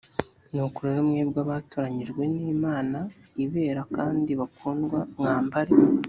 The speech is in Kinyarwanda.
nuko rero mwebwe abatoranyijwe n imana i bera kandi bakundwa mwambare